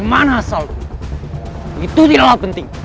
dan hasilmu itu tidaklah penting